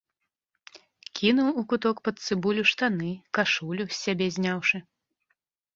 Кінуў у куток пад цыбулю штаны, кашулю, з сябе зняўшы.